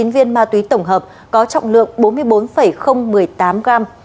một trăm chín mươi chín viên ma túy tổng hợp có trọng lượng bốn mươi bốn một mươi tám gram